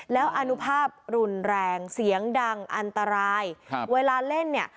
แล้วอนุภาพรุนแรงเสียงดังอันตรายครับเวลาเล่นเนี่ย